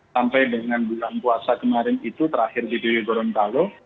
sampai dengan bulan puasa kemarin itu terakhir di gorontalo